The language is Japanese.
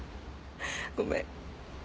ごめん。